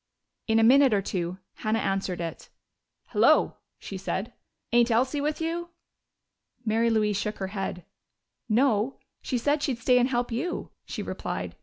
In a minute or two Hannah answered it. "Hello!" she said. "Ain't Elsie with you?" Mary Louise shook her head. "No. She said she'd stay and help you," she replied.